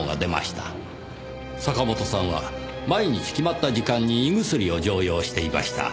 坂本さんは毎日決まった時間に胃薬を常用していました。